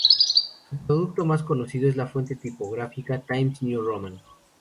Su producto más conocido es la fuente tipográfica "Times New Roman".